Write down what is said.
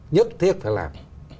nhất thiết phải làm